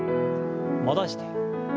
戻して。